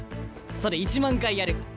それ１万回やる。